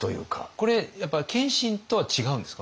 これやっぱ謙信とは違うんですか？